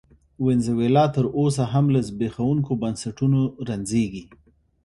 وینزویلا تر اوسه هم له زبېښونکو بنسټونو رنځېږي.